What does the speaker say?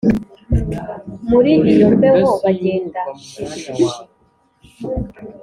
muri iyo mbeho bagenda shishishi